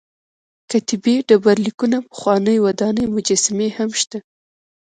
کتیبې ډبر لیکونه پخوانۍ ودانۍ مجسمې هم شته.